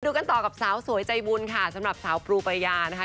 กันต่อกับสาวสวยใจบุญค่ะสำหรับสาวปูปายานะคะ